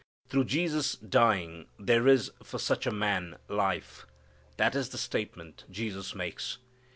Through Jesus dying there is for such a man life. That is the statement Jesus makes.